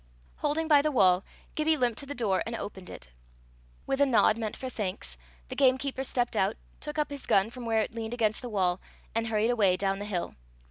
Holding by the wall, Gibbie limped to the door and opened it. With a nod meant for thanks, the gamekeeper stepped out, took up his gun from where it leaned against the wall, and hurried away down the hill.